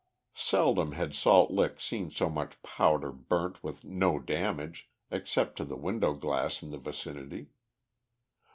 Seldom had Salt Lick seen so much powder burnt with no damage except to the window glass in the vicinity.